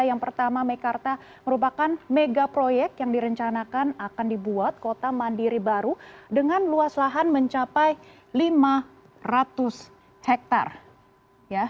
yang pertama mekarta merupakan mega proyek yang direncanakan akan dibuat kota mandiri baru dengan luas lahan mencapai lima ratus hektare